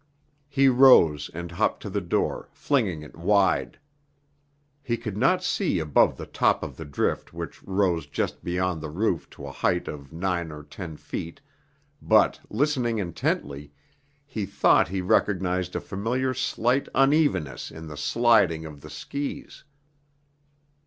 He rose and hopped to the door, flinging it wide. He could not see above the top of the drift which rose just beyond the roof to a height of nine or ten feet, but listening intently, he thought he recognized a familiar slight unevenness in the sliding of the skis.